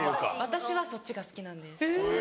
私はそっちが好きなんです。